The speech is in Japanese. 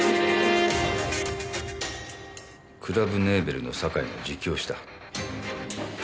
クラブネーベルの酒井が自供した。